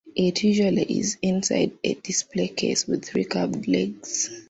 It usually is inside a display case with three curved legs.